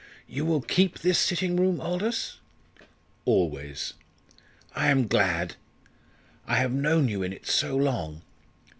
"You will keep this sitting room, Aldous?" "Always." "I am glad. I have known you in it so long.